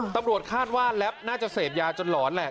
ตำรวจคาดว่าแล็บน่าจะเสพยาจนหลอนแหละ